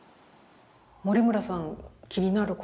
森村さん気になることは？